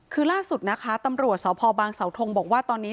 คือล่าสุดนะคะตำรวจสพบางสาวทงบอกว่าตอนนี้